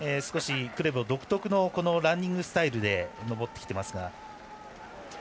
クレボ独特のランニングスタイルで上ってきてます。